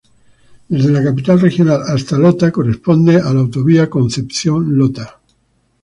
Desde la capital regional hasta Lota corresponde a la Autovía Concepción-Lota.